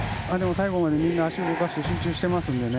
最後までみんな足を動かして集中してますね。